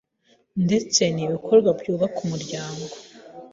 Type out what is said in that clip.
ndetse n’ibikorwa byubaka umuryango